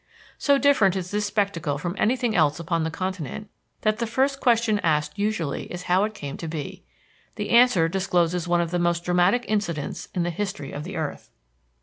So different is this spectacle from anything else upon the continent that the first question asked usually is how it came to be. The answer discloses one of the most dramatic incidents in the history of the earth.